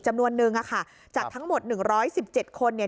จำนวนนึงอะค่ะจากทั้งหมดหนึ่งร้อยสิบเจ็ดคนเนี้ย